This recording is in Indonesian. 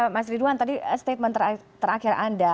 mas ridwan tadi statement terakhir anda